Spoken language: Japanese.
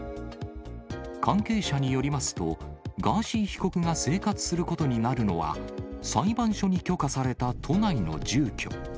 関係者によりますと、ガーシー被告が生活することになるのは、裁判所に許可された都内の住居。